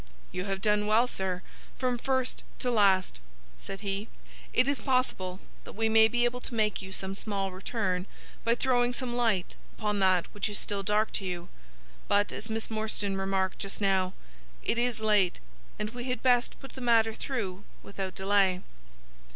"You have done well, sir, from first to last," said he. "It is possible that we may be able to make you some small return by throwing some light upon that which is still dark to you. But, as Miss Morstan remarked just now, it is late, and we had best put the matter through without delay."